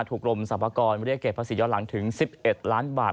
กรมสรรพากรเรียกเก็บภาษีย้อนหลังถึง๑๑ล้านบาท